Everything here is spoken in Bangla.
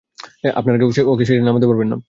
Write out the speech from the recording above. আপনারা কেউ ওকে শেষ মারতে পারবেন না।